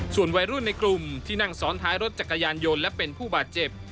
ส่วนวัยรุ่นในกลุ่มที่นั่งซ้อนท้ายรถจักรยานยนต์และเป็นผู้บาดเจ็บ